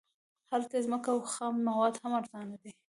هلته ځمکې او خام مواد هم ارزانه دي